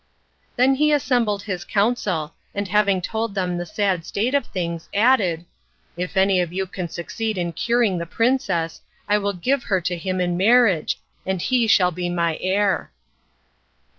Then he assembled his council, and having told them the sad state of things, added: "If any of you can succeed in curing the princess, I will give her to him in marriage, and he shall be my heir."